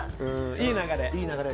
いい流れ。